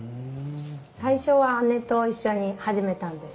最初は姉と一緒に始めたんです。